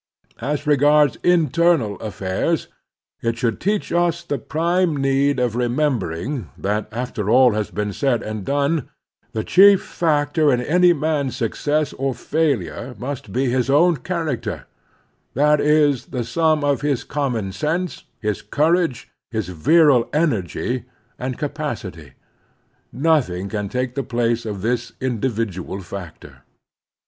As regards internal affairs, it should teach us the prime need of remembering that, after all has been said and done, the chief factor in any man's suc cess or failure must be his own character — that is, the sum of his common sense, his courage, his virile energy and capacity. Nothing can take the place of this individual factor.